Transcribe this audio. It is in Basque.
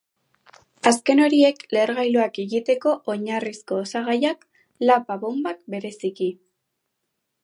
Azken horiek lehergailuak egiteko oinarrizko osagaiak, lapa-bonbak bereziki.